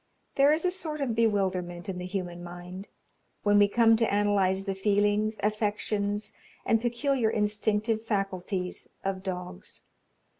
There is a sort of bewilderment in the human mind, when we come to analyse the feelings, affections, and peculiar instinctive faculties of dogs.